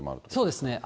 そうですね。